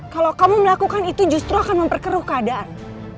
kalau kamu melakukan itu justru akan memperkeruh keadaan